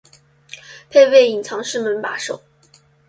配备隐藏式门把手